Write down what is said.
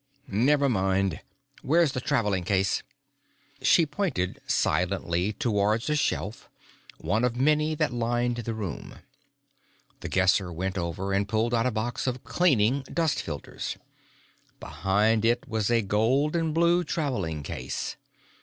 "Never mind. Where's the traveling case?" She pointed silently towards a shelf, one of many that lined the room. The Guesser went over and pulled out a box of cleaning dust filters. Behind it was a gold and blue traveling case.